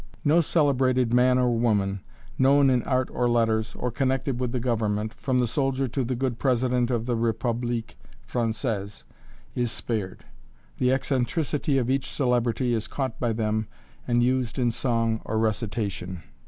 No celebrated man or woman, known in art or letters, or connected with the Government from the soldier to the good President of the République Française is spared. The eccentricity of each celebrity is caught by them, and used in song or recitation.